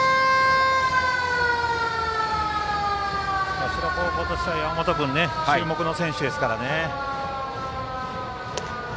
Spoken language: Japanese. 社高校の山本君は注目の選手ですからね。